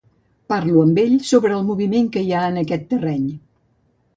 Parlo amb ell sobre el moviment que hi ha en aquest terreny.